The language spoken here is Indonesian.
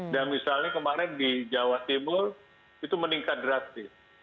dan misalnya kemarin di jawa timur itu meningkat drastis